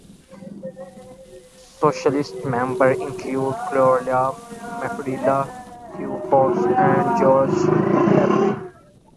Socialists members included Carlo Mierendorff, Theo Hauback, and Julius Leber.